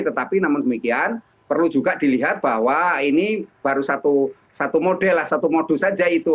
tetapi namun demikian perlu juga dilihat bahwa ini baru satu model lah satu modus saja itu